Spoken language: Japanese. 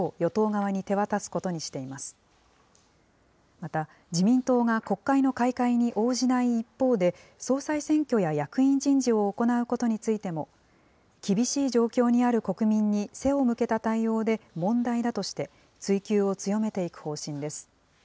また、自民党が国会の開会に応じない一方で、総裁選挙や役員人事を行うことについても、厳しい状況にある国民に背を向けた対応で問題だとして、追及を強めていく方針です。